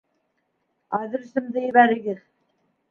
Адресымды ебәрегеҙ.